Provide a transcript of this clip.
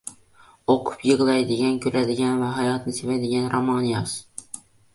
O’qib yig’laydigan, kuladigan va hayotni sevadigan roman yoz.